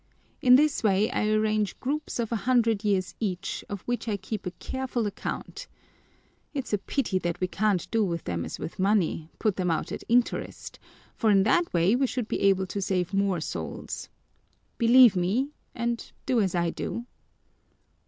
In this way I arrange groups of a hundred years each, of which I keep a careful account. It's a pity that we can't do with them as with money put them out at interest, for in that way we should be able to save more souls. Believe me, and do as I do."